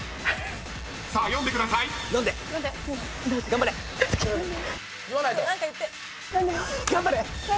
頑張れ！